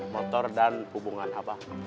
motor dan hubungan abah